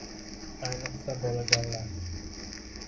Ayniqsa bolajonlar